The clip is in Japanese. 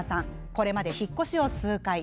これまで引っ越しを数回。